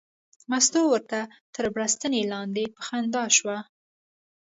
مستو ورته تر بړستنې لاندې په خندا شوه.